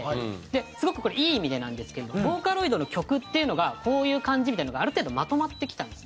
すごくこれいい意味でなんですけどボーカロイドの曲っていうのがこういう感じみたいなのがある程度まとまってきたんです。